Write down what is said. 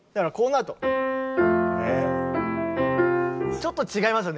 ちょっと違いますよね